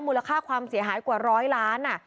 มูลค่าความเสียหายกว่าร้อยล้าน